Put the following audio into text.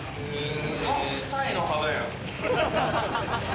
８歳の肌やん。